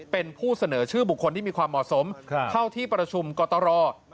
เป็นผู้เสนอชื่อบุคคลที่มีความเหมาะสมเข้าที่ประชุมกตร